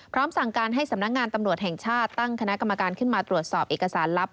สั่งการให้สำนักงานตำรวจแห่งชาติตั้งคณะกรรมการขึ้นมาตรวจสอบเอกสารลับ